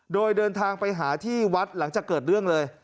โดยเดินทางไปหาที่วัดหลังจากเกิดเรื่องเลย